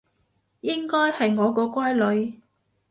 應該係我個乖女